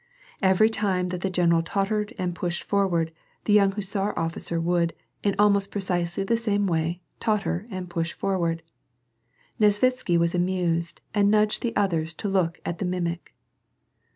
Every time that the general tottered and pushed forward, the young Hussar officer would, in almost precisely the same way, totter and push forward. Nesvitsky was amused, and nudged the others to look at the mimic.